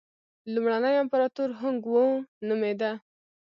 لومړنی امپراتور هونګ وو نومېده.